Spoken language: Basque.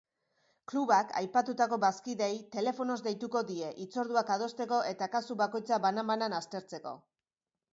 Klubak aipatutako bazkideei telefonoz deituko die hitzorduak adosteko eta kasu bakoitza banan-banan aztertzeko.